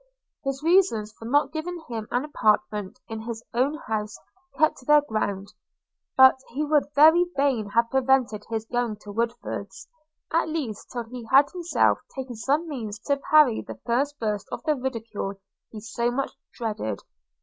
His reasons for not giving him an apartment in his own house kept their ground; but he would very fain have prevented his going to Woodford's, at least till he had himself taken some means to parry the first burst of the ridicule he so much dreaded.